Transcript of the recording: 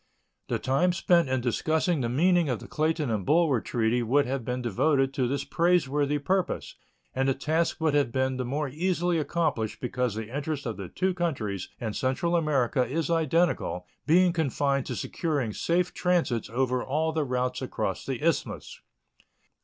The time spent in discussing the meaning of the Clayton and Bulwer treaty would have been devoted to this praiseworthy purpose, and the task would have been the more easily accomplished because the interest of the two countries in Central America is identical, being confined to securing safe transits over all the routes across the Isthmus.